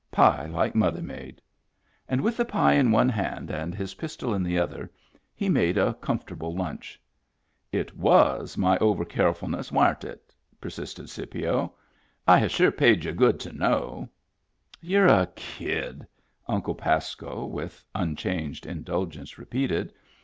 Pie like mother made." And with the pie in one hand and his pistol in the other he made a comfortable lunch. " It was my over carefulness, wam't it ?" per sisted Scipio. " I have sure paid y'u good to know!" " You're a kid," Uncle Pasco, with unchanged indulgence, repeated.